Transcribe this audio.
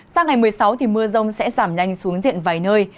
sang ngày một mươi sáu mưa rông sẽ giảm nhanh xuống diện vài nơi